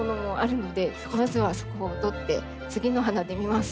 まずはそこを取って次の花で見ます。